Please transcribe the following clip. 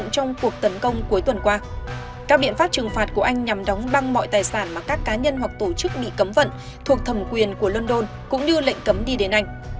các biện pháp trừng phạt của anh nhằm đóng băng mọi tài sản mà các cá nhân hoặc tổ chức bị cấm vận thuộc thẩm quyền của london cũng như lệnh cấm đi đến anh